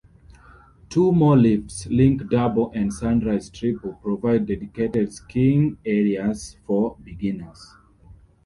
Two more lifts, Link double and Sunrise triple, provide dedicated skiing areas for beginners.